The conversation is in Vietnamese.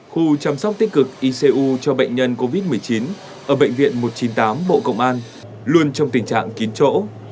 khu chăm sóc tích cực icu cho bệnh nhân covid một mươi chín ở bệnh viện một trăm chín mươi tám bộ công an luôn trong tình trạng kín chỗ